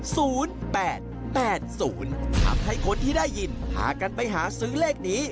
ศูนย์แปดแปดศูนย์ทำให้คนที่ได้ยินหากันไปหาซื้อเลขนี้